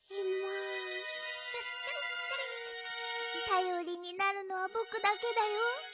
たよりになるのはぼくだけだよ。